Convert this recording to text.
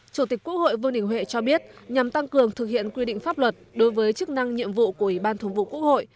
chủ tịch quốc hội vương đình huệ cho biết nhằm tăng cường thực hiện quy định pháp luật đối với chức năng nhiệm vụ của ủy ban thường vụ quốc hội